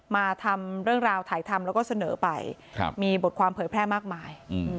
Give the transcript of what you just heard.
มาทำเรื่องราวถ่ายทำแล้วก็เสนอไปมีบทความเผยแพร่มากมาย